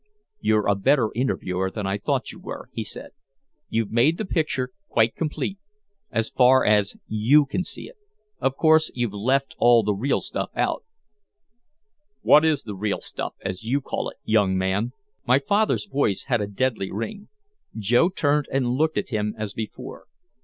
"You're a better interviewer than I thought you were," he said. "You've made the picture quite complete as far as you can see it. Of course you've left all the real stuff out " "What is the real stuff, as you call it, young man?" My father's voice had a deadly ring. Joe turned and looked at him as before.